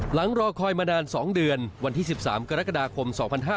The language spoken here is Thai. หลังรอคอยมานานสองเดือนวันที่๑๓กรกฎาคม๒๕๖๓